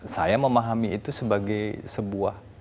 saya memahami itu sebagai sebuah